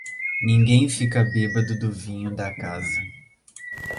Ninguém fica bêbado do vinho da casa.